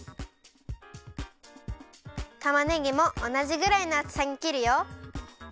たまねぎもおなじぐらいのあつさにきるよ。